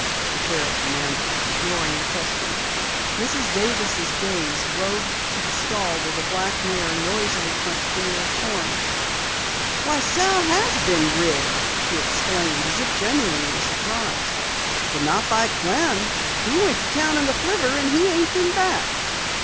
the sheriff demanded, ignoring the question. Mrs. Davis' gaze roved to the stall where the black mare noisily crunched an ear of corn. "Why Sal has been rid!" she exclaimed as if genuinely surprised. "But not by Clem. He went to town in the flivver, and he ain't been back."